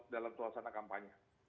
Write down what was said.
dalam suasana kampanye